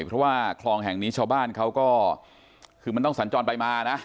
เพราะว่าคลองแห่งนี้ชาวบ้านเขาก็คือมันต้องสัญจรไปมานะ